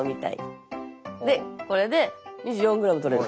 でこれで２４ｇとれる。